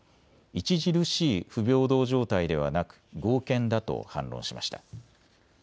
著しい不平等状態ではなく合憲だと反論しました。